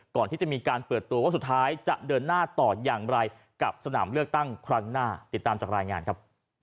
ก่อนที่จะมีการเปิดตัวว่าสุดท้ายจะเดินหน้าต่ออย่างไรกับสนามเลือกตั้งครั้งหน้าติดตามจากรายงานครับ